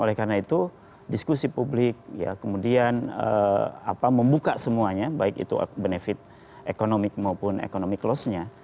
oleh karena itu diskusi publik kemudian membuka semuanya baik itu benefit ekonomi maupun economic loss nya